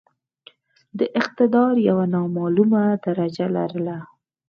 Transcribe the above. د اقتدار یو نامعموله درجه لرله.